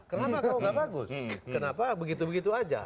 kenapa kau nggak bagus kenapa begitu begitu aja